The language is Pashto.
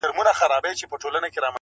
ځکه لا هم پاته څو تڼۍ پر ګرېوانه لرم-